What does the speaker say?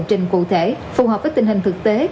trình cụ thể phù hợp với tình hình thực tế